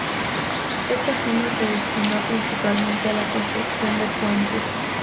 Esta suma se destinó principalmente a la construcción de puentes.